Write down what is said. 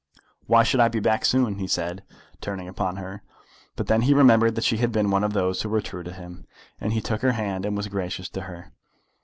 "Why should I be back soon?" he said, turning upon her. But then he remembered that she had been one of those who were true to him, and he took her hand and was gracious to her.